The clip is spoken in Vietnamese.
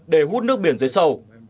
để hút nước biển dưới sâu